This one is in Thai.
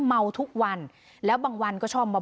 เมาทุกวันแล้วบางวันก็ชอบมา